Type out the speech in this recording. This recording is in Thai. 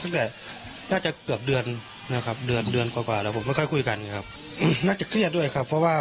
ตั้งแต่น่าจะเกือบเดือนนะครับเดือนเดือนกว่าแล้วผมไม่ค่อยคุยกันครับน่าจะเครียดด้วยครับเพราะว่า